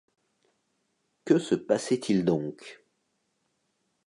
que se passait-il donc ?